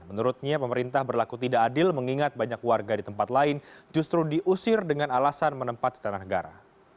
menurutnya pemerintah berlaku tidak adil mengingat banyak warga di tempat lain justru diusir dengan alasan menempati tanah negara